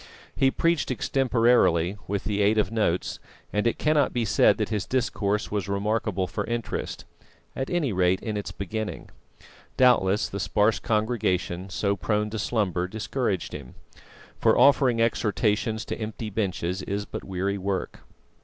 He preached extemporarily, with the aid of notes; and it cannot be said that his discourse was remarkable for interest, at any rate in its beginning. Doubtless the sparse congregation, so prone to slumber, discouraged him; for offering exhortations to empty benches is but weary work.